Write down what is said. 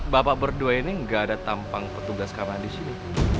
bapak berdua ini gak ada tampang petugas keamanan disini